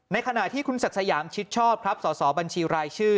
ขณะที่คุณศักดิ์สยามชิดชอบครับสอสอบัญชีรายชื่อ